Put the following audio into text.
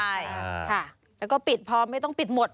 ใช่ค่ะแล้วก็ปิดพอไม่ต้องปิดหมด